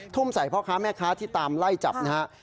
ทุ่มใส่พ่อค้าแม่ค้าที่ตามไล่จับนะฮะ